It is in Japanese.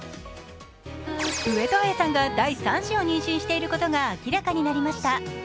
上戸彩さんが第３子を妊娠していることが明らかになりました。